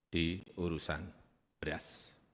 di urusan beras